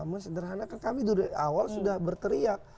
maksudnya kami dari awal sudah berteriak